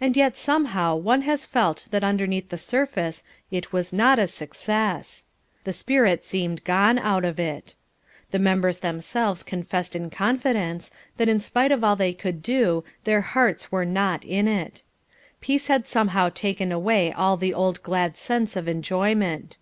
And yet somehow one has felt that underneath the surface it was not a success. The spirit seemed gone out of it. The members themselves confessed in confidence that in spite of all they could do their hearts were not in it. Peace had somehow taken away all the old glad sense of enjoyment.